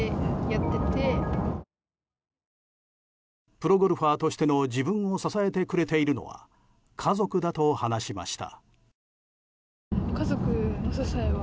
プロゴルファーとしての自分を支えてくれているのは家族だと話しました。